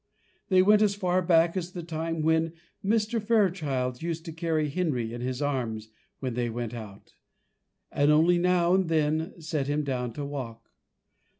They went as far back as the time when Mr. Fairchild used to carry Henry in his arms when they went out, and only now and then set him down to walk.